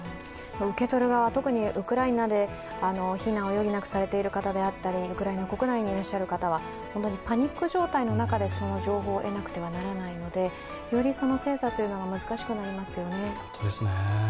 受け取る側、特にウクライナで避難を余儀なくされている方であったりウクライナ国内にいらっしゃる方は、本当にパニック状態の中でその情報を得なくてはならないので、よりその精査というのが難しくなりますよね。